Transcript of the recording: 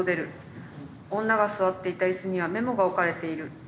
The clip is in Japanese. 女が座っていた椅子にはメモが置かれている。